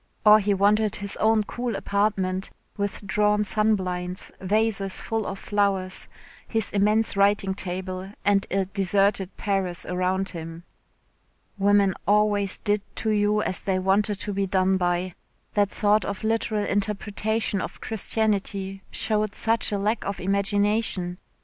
Or he wanted his own cool apartment, with drawn sunblinds, vases full of flowers, his immense writing table, and a deserted Paris around him. Women always did to you as they wanted to be done by. That sort of literal interpretation of Christianity showed such a lack of imagination.